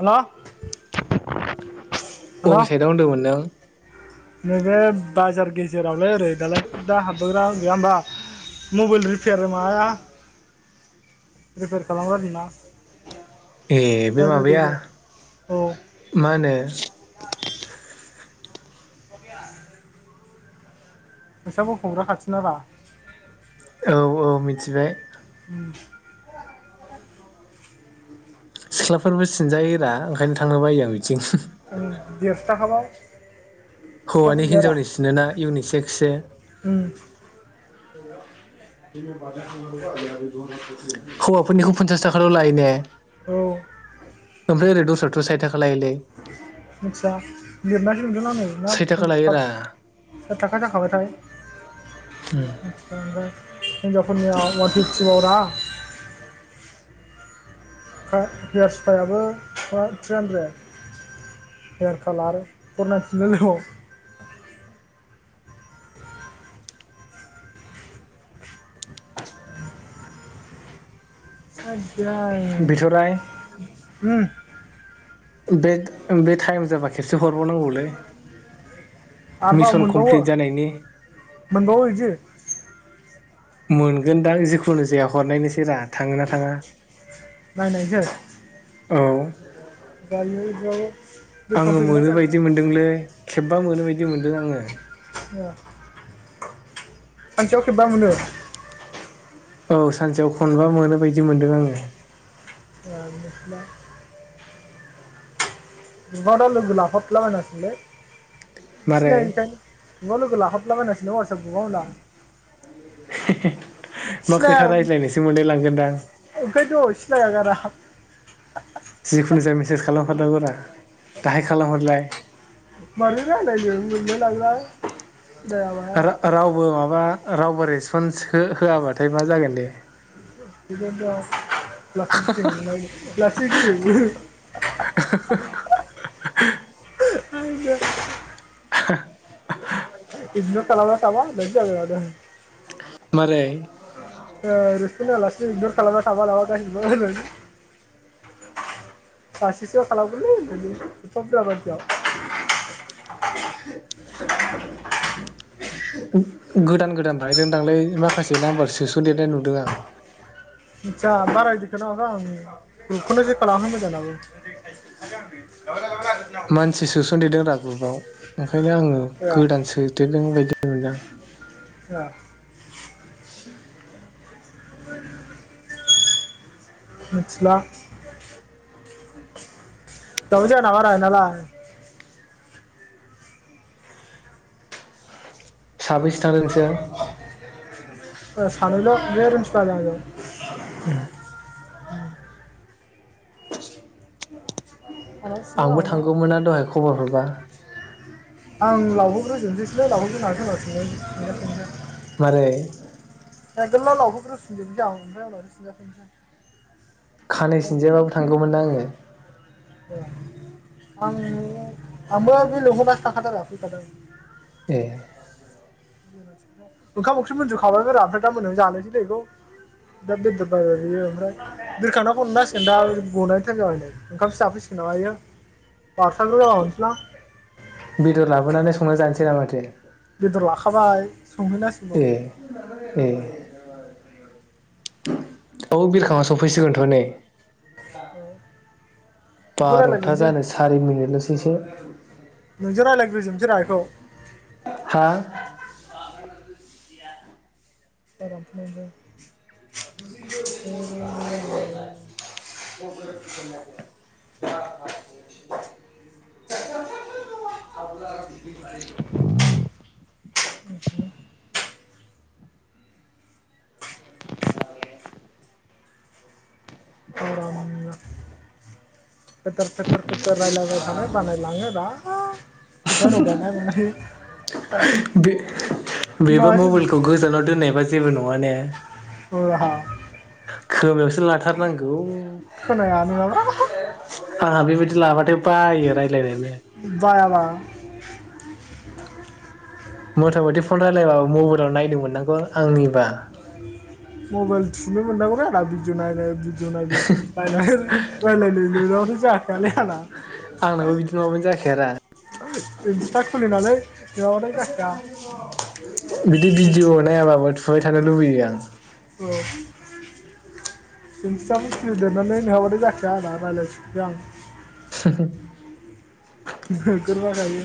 हेल' हेल' अबेसाइदआव होनदोंमोन नों नैबे बाजार गेजेरावलै ओरै दालाय सिदा हाबबोग्रा गैया होमबा मबाइल रिपेयार माबाया रिपेयार खालामग्रा दं ना। ए बे माबाया औ मा होनो [inaudible] नोंसाबो हंग्राखाथि [unintelligible] औ-औ मिथिबाय [inaudible] सिख्लाफोरबो सिनजायोरा ओंखायनो थांनो बायो आं बिदि औ देरस'थागाबाव हौवानि हिनजावनि सिनो ना इउनिसेक्सो उम [unintelligible] हौवाफोरनिखौ फनसास थाखाल' लायो ने। औ। ओेफाय ओरै दस्रा थ' सायद थाख आदसा लिरनाय साइद थाखा लायोरा [unintelligible] थाखा जाखाबायथाय [unintelligible] हिनजावफोरनि आ जरा हो हेयारस्पायाबो टुना थ्रिहानद्रेद हेयार कालार फरनाय [unintelligible] [inaudible] [unintelligible] बिथ'राय [unintelligible] उम बे-बे टाइम जाबा खेबसे हरबावनांगौलै आरोबाव मिसन मोनबावो कमप्लिट जानायनि मोनबावो बिदि मोनगोनदां जिखुनु जाया हरनोसै रा थाङो ना थाङा नायनायजों औ दायो बेयाव गोसोखां आङो फैगोना मोनो बायदि फैयाखै मोनदोंलै खेबबा मोनो बायदि मोनदों आङो [unintelligible] खनसेयाव खेबबा मोनो। औ सानसेयाव खनबा मोनो बायदि मोनदों आङो। [unintelligible] नुबा दा लोगो लाफाफ्लाबायनोसैलै। मारै सिनायो नोंथां। नुबा लोगो लाफाफ्लाबायनो सोलै वाटसएप ग्रुपआव होनदों आं। मा सिनाया खोथा रायज्लायनोसो मोनलायलांगोनदां। ओंखायनोथ' सिनाया [inaudible] जिखुनु जाया मेसेज खालाम हारनांगोरा दाहाय खालामहरलाय। मारै रायलायनो मोनलाय लांङो आं। रा रावबो माबा रावबो रेज रेसपन्स होआबाथाय मा जागोन दे। लासिं सिं लै लासिं सिं। [unintelligible] [unintelligible] [unintelligible] इगनर खालामना थाबा होननायानो जाबाय माथो। मारै? आलासि [unintelligible] बासिसो खालामगोनलै होननानै एफा बुर्जा मानसियाव। गोदान गोदान भाइब जों थांलै माखासे नाम्बार सोस'देरनाय नुदों आं। मिथिया बारायदिखौ [unintelligible] आं ग्रुपखौनो खालामहो [unintelligible] मानसि सोसनदेदों दा ग्रुबाव। ओंखायनो आङो ए गोदान सोदेरदों बायदि मोनदां। [unintelligible] [unintelligible] मिथिला दावजाना [unintelligible] साबैसे थांदो नोंसोर? सानैल' बे [unintelligible] आंजों। उम। [unintelligible] [unintelligible] आंनाव सोंनाय आंबो आंनाव थांगौमोना दहाय खबर हरबा। आं लावबोग्रो जोजोबनोसैलै लावग्रोनाथों होन [inaudible] मारै? ए गोलाव लावग्रोव [unintelligible] सिनजाफनोसै आं। खानाय सोंजाफिनसै सिनजायाबाबो थांगौमोन ना आङो ए आं आंबो बे लिंहरलासो थाखादारा फैखादों ए ओंखाम ओंख्रि मोनजुखाबाय आरो ओमफ्राय दा मोनायाव जानायसैलै बेखौ दा बेदेर बायबाय बियो ओमफ्राय दोरखांखौना हमना होसिगोन दा गनायनि थाखाय जाब नै ओंखामसो जाफैसिगोन नामा इयो बारसांग' जाबा मोनसैलां बेदर लाबोनानै संनो जानोसै ना माथो बेदर लाखाबाय संहैनांसिगौ ए ए औ बिरखाङा सफैसिगोनथ' नै बेखौ बार'था रायज्लायग्रोनोसै जानो सारि मिनिट लसै [unintelligible] नोंजों रायज्लायग्रोजोबसै रा बेखौ हा [inaudible] [inaudible] [unintelligible] [unintelligible] [inaudible] [inaudible] फेथेर फेथेर रायजलायबाय थानो बानायलाङो रा खुगा रुमायनाय बे [unintelligible] बेबो माथो मबाइलखौ गोजानाव दोननायबा जेबो नङा ने औ हा खोमायावसो लाथारनांगौ खोनाया नोङाबा आहा बेबायदि लाबाथाय बायो रायज्लायनोनो मा मथा मथि फन रायलायबाबो मबाइलाव नायनो मोनांगौ आंनिबा मबाइल थुनो मोननांगौरा आ भिदिअ नायलाय नायद बाय रायलायनो मोनाबाथ' जाखायालै थाना आंनाबो बिदि नङाबानो जाखाया रा‌‌ इन्स्टा खुलिनानै नङाबाथाय जाखाया बिदि भिडिअ नायाबाबो थुबाय थानो लुबैयो‌‌ आं इन्सता [unintelligible] नंङाबाथाय जाखाया आंना‌ नायलाय‌‌ निसैसो‌ आं [unintelligible] नोगोर बाखायो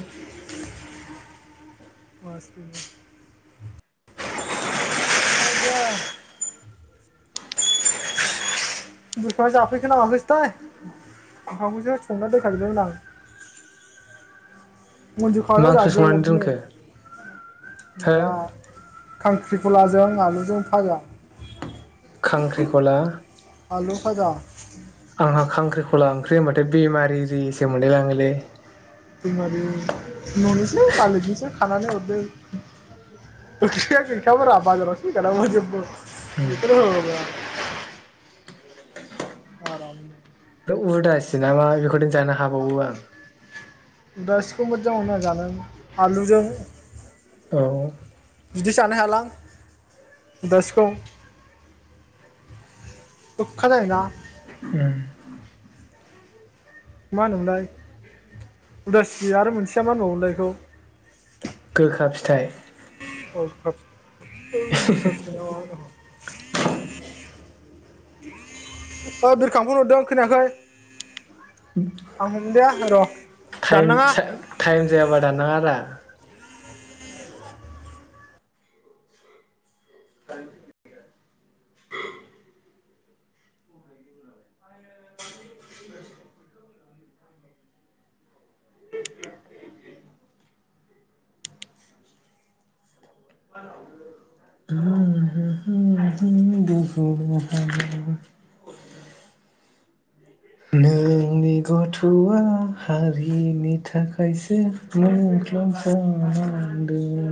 मासतिनि [inaudible] मोसौआ जाफैखो ना माखोसोथाय ओंखाम खौसो संना दोनखा जोबबायमोन आं मा मन्जुबखाबायरा ओंख्रि संनानै ग्रोब नो‌ दोनखो हो माबा खांख्रिखलाजों आलुजों फाजा खांख्रिखला आलु फाजा खला ओंख्रि होनबथाय बेमारि रि सो मोनलाय लाङोलै [unintelligible] मालिक निसो खानानै हरदों ओंख्रिया गैखाया मोन रा बाजारावसो [unintelligible] उम बेखौनो [unintelligible] आराम बे उदासि नामा बेखौदेन‌ जानो हाबावो आं उदासिखौ मोजां हुना जानों आलुजों औ बिदि जानो हायालां उदासिखौ गोखखा जायोना [unintelligible] मा होनो मोनलाय [inaudible] उदासि आरो मोनसेया मा होनबावो मोनलाय बेखौ गोखा फिथाइ [unintelligible] [unintelligible] बिरखां फन हरदों खोनायाखै आं हमदिया र' टाइम दाननाङा सा टाइम जायाबा दान नाङा रा टाइम [inaudible] [unintelligible] नोंनि गथ'आ हारिनि थाखायसो मुंख्ल सदों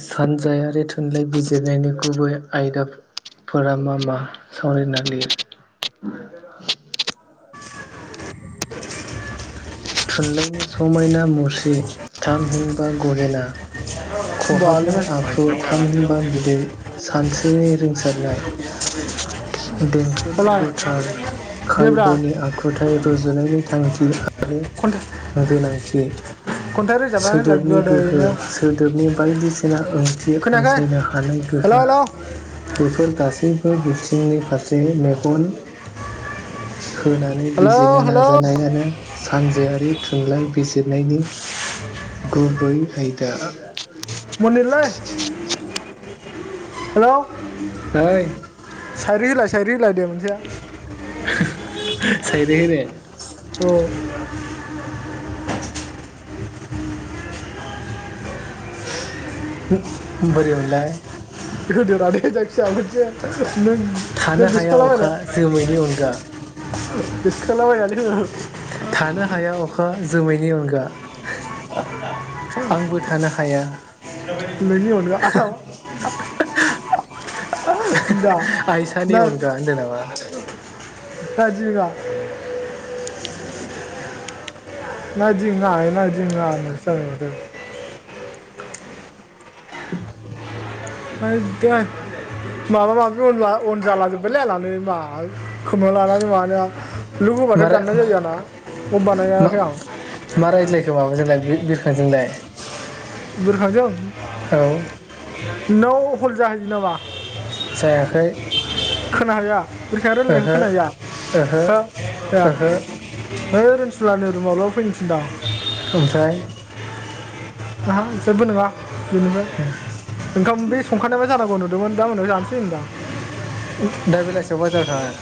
सानजायारि थुनलाइ बिजिरनायनि गुबै आयदाफोरा मा मा सावरायना लिर [inaudible] थुनलाइनि समायना मुस्रि थामहिनबा गहेना खहाबनाय आखु थामहिनबा होमबालाय बिदै सानस्रि [unintelligible] देंखोनि गोथार दे ब्रा खायबनि आखुथाय रुजुनायनि थांखि आरो कन्टेक गोनांथि खन्थाइ रोजाबना होलाय सोदोबनि गोहो गोदैनो नि बायदिसिना ओंथि खोनायाखै अनसायनो हानाय गोहो हेलौ हेलौ बेफोर गासैबो बिथिंनि फारसे मेगन होनानै हेलौ बिजिरनो हेलौ नाजानायानो सानजोआरि थुनलाइ बिजिरनायनि गुबै आयदा [inaudible] मनिनलै हेलौ ओइ सारि होलाय सायरि होलाय दे मोनजाया साइरि होनो औ [inaudible] बोरै मोनलाय होदोरा बिदिनो जायखिया मोनसे नों नों थानो हाया बिसकल अखा जोमैनि अनगा बिसकलाबायलाय। [inaudible] थानो हाया अखा जोमैनि अनगा आंबो थानो हाया नोंनि अनगा आइसानि अनगा होनदों नामा [inaudible] [inaudible] नङा इदि नङा [inaudible] माबा माबिन अन जाला जोब्बायलाय लानानै मा खोमा लानानै मानाया। लग होबाथाय मारा दाननाय जायो आंना लग मा बानायाखै आं। थाजोंलाय बोरखांजों औ नोंनाव खल जाहैदों नामा? जायाखै। रोखा रायलायनायखौ ओहो खोना हैया ओहो हो। ओहो सिलानि रुमावाबबो फैनो थिनदां ओमफ्राय जेबो नङा बेनिफ्राय ओंखाम बे संखानायबा जानांगौ न मोन दा मोनायाव होनदां दा बेलासियाव बाजार थाङा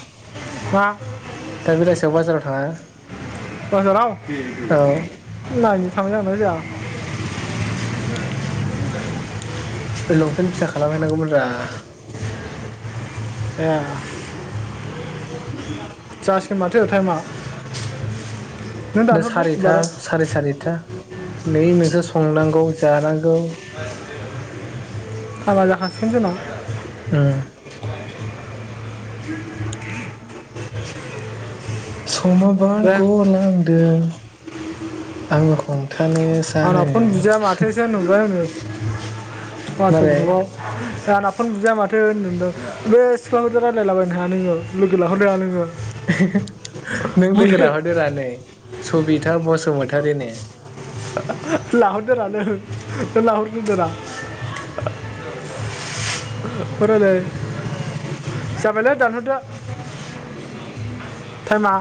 मा दा बेलासियाव बाजाराव थाङा? बाजाराव! औ नायनि थांनाय जाना जाया- ओइ लंपेन्ट फिसा खालामहैनांगौमोन रा ए जासिगोन माथो टाइमा नों दा दानहरलै सारिथा एबाराव साराय सारिथा नै नोंसोर संनांगौ जानांगौ हाबा जाखासिनो दोन' उम [inaudible] समा दे बारग लांदों आङोखौ आंना फन बुजाया माथोसो नुबाय होनो वाटसप मारै ग्रुपआव आं फन बुजया माथो होनदोंदों बे सिख्लाफोरजों रायलायला बायनो हाया नोङो लोगो लाहरनो हाया नोङो नों लोगो बुले लाहरदो रा नै सबिता बसुमतारि नो लाहरदो रा नों लाहरग्रोदो रा फरायायलाय जाबायलै दानहरदो टाइमा